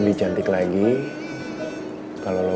berikan aku cinta